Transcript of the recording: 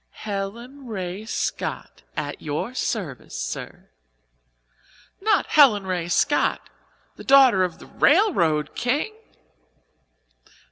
"Helen Ray Scott, at your service, sir." "Not Helen Ray Scott, the daughter of the railroad king?"